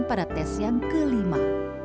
pada tes yang kelima